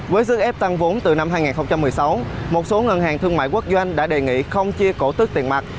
với sức ép tăng vốn từ năm hai nghìn một mươi sáu một số ngân hàng thương mại quốc doanh đã đề nghị không chia cổ tức tiền mặt